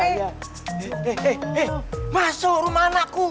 hei hei hei masuk rumah anakku